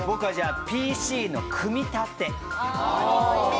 ＰＣの組み立て。